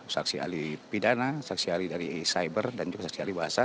saksi ahli pidana saksi ahli dari cyber dan juga saksi ahli bahasa